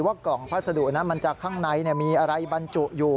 กล่องพัสดุนั้นมันจะข้างในมีอะไรบรรจุอยู่